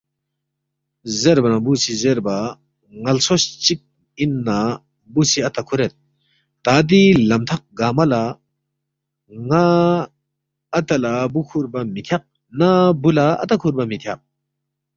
زیربا نہ بُو سی زیربا، ن٘ل ژھوس چِک اِن نہ بُو سی اتا کُھورید، تا دِی لم تھق گنگمہ لہ نہ اتا لہ بُو کُھوربا مِہ تھیاق، نہ بُو لہ اتا کُھوربا مِہ تھیاق